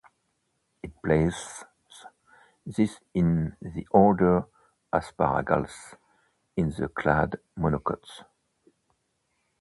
It places this in the order Asparagales, in the clade monocots.